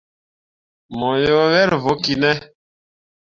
Mo ye wel vokki ne.